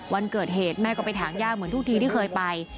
วันเกิดเหตุแม่ก็ไปถามย่าเหมือนทุกทีที่เคยไป